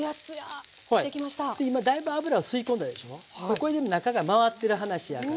これで中が回ってる話やから。